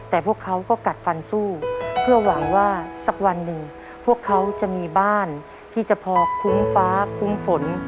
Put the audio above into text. แต่พวกเขาก็กัดฟันสู้เพื่อหวังว่าสักวันหนึ่งพวกเขาจะมีบ้านที่จะพอคุ้มฟ้าคุ้มฝน